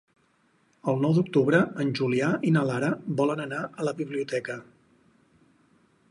El nou d'octubre en Julià i na Lara volen anar a la biblioteca.